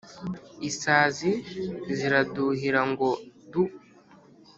Isazi ziraduhira ngo du